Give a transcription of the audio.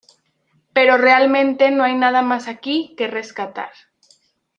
Pero realmente no hay nada más aquí que rescatar".